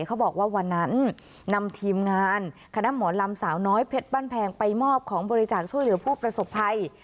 เขาบอกว่าวันนั้นนำทีมงานคณะหมอลำสาวน้อยเพชรบ้านแพงไปมอบของบริจาคช่วยเหลือผู้ประสบภัย